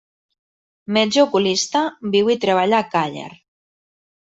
Metge oculista, viu i treballa a Càller.